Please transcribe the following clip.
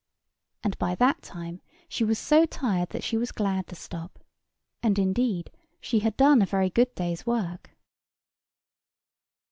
And by that time she was so tired that she was glad to stop; and, indeed, she had done a very good day's work.